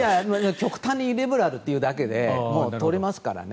極端にリベラルというだけで通りますからね。